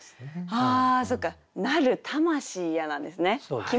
ああそっか「なる魂や」なんですね。